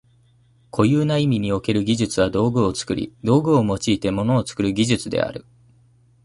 固有な意味における技術は道具を作り、道具を用いて物を作る技術である。